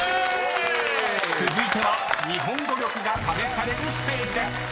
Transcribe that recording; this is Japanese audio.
［続いては日本語力が試されるステージです］